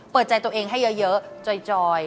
เปิดใจตัวเองให้เยอะจอย